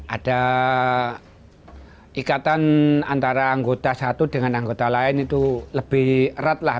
ada ikatan antara anggota satu dengan anggota lain itu lebih erat lah